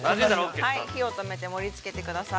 火を止めて盛りつけてください。